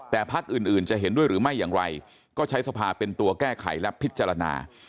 แต่พักอื่นจะเห็นด้วยหรือไม่อย่างไรก็ใช้สภาเป็นตัวแก้ไขและพิจารณา